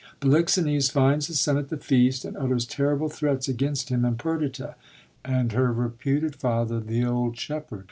Polixenes finds his son at the feast, and utters terrible threats against him and Perdita, and her reputed father the old shepherd.